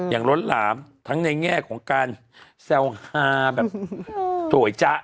อย่างล้นหลามทั้งในแง่ของการแซวหาแบบโสดจ๊ะ